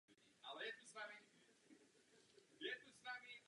Pokud vím, Taliban nemá ambice mimo své hranice.